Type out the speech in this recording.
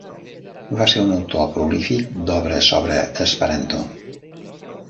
Va ser un autor prolífic d'obres sobre esperanto.